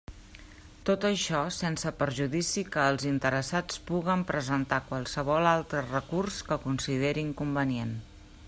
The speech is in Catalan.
Tot això sense perjudici que els interessats puguen presentar qualsevol altre recurs que consideren convenient.